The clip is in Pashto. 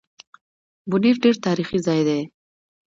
بونېر ډېر تاريخي ځای دی